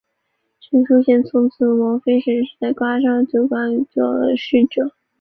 陈叔贤从此王妃沈氏在瓜州的酒馆里做了侍者。